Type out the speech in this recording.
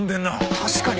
確かに！